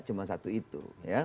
cuma satu itu